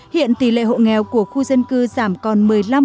hiện tỷ lệ hộ nghèo của khu dân cư giảm còn một mươi năm